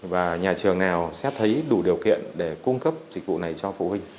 và nhà trường nào xét thấy đủ điều kiện để cung cấp dịch vụ này cho phụ huynh